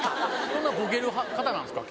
そんなボケる方なんですか？